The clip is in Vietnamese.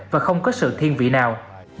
và không có sự thiên vị nào